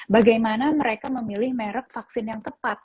bagaimana mereka memilih merek vaksin yang tepat